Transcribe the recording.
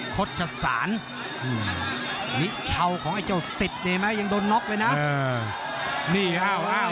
คดฉสานหือนี่เช่าของไอ้เจ้าซิธดีมั้ยยังโดนน็อคเลยนะนี่เอาเอา